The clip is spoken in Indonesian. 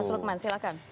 mas lukman silahkan